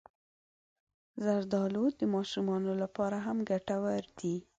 زردالو د ماشومانو لپاره هم ګټور دی.